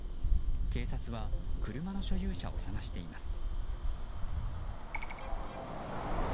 警察は車の所有者を捜しています。